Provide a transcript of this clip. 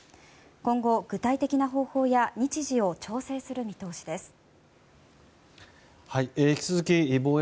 今後、具体的な方法や日時を調整する見通しです。